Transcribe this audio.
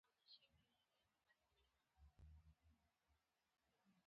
موږ لکه نابلده غلو په کادان ننوتو.